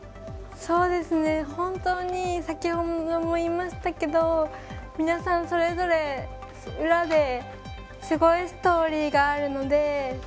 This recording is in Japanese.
先ほども言いましたけど皆さん、それぞれ裏ですごいストーリーがあるので。